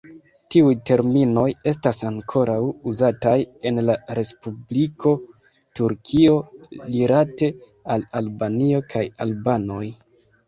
Tiuj terminoj estas ankoraŭ uzataj en la Respubliko Turkio rilate al Albanio kaj albanoj.